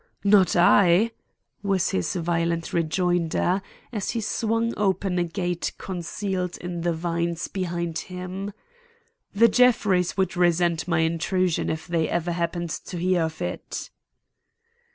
"Not I!" was his violent rejoinder, as he swung open a gate concealed in the vines behind him. "The Jeffreys would resent my intrusion if they ever happened to hear of it."